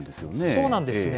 そうなんです。